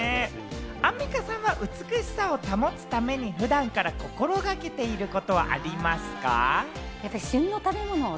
アンミカさんは美しさを保つために普段から心掛けていることはありますか？